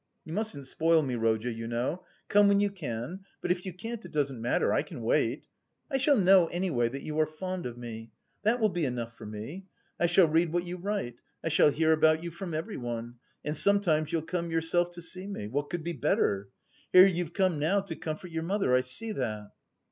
You mustn't spoil me, Rodya, you know; come when you can, but if you can't, it doesn't matter, I can wait. I shall know, anyway, that you are fond of me, that will be enough for me. I shall read what you write, I shall hear about you from everyone, and sometimes you'll come yourself to see me. What could be better? Here you've come now to comfort your mother, I see that."